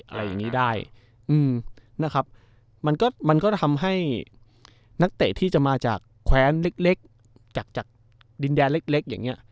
อะไรอย่างนี้ได้มันก็ทำให้นักเตะที่จะมาจากแคว้นเล็กจากดินแดนเล็กอย่างนี้